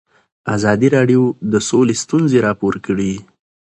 ازادي راډیو د سوله ستونزې راپور کړي.